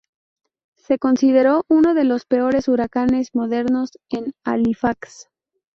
Se consideró uno de los peores huracanes modernos en Halifax.